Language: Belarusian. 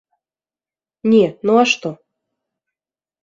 Не, ну а што?